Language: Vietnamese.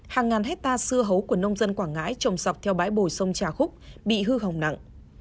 hàng ngàn hecta xưa hấu của nông dân quảng ngãi trồng sọc theo bãi bồi sông trà khúc bị hư hỏng nặng